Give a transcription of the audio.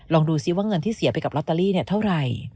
ลองดูซิว่าเงินที่เสียไปกับลอตเตอรี่เท่าไหร่